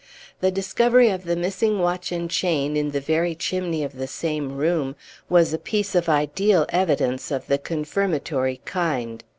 The discovery of the missing watch and chain, in the very chimney of the same room, was a piece of ideal evidence of the confirmatory kind.